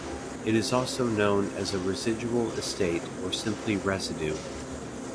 It is also known as a residual estate or simply residue.